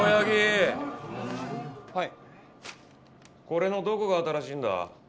これのどこが新しいんだ？